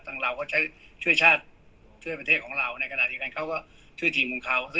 แต่ลาจะช่วยชาติช่วยประเทศของลาในกระดาษนี้ก้านเขาก็ช่วยทีมของเขา